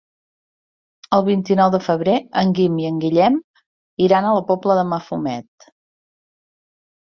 El vint-i-nou de febrer en Guim i en Guillem iran a la Pobla de Mafumet.